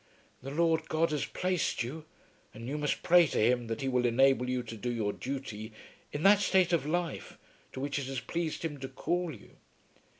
"The Lord God has placed you, and you must pray to Him that He will enable you to do your duty in that state of life to which it has pleased Him to call you.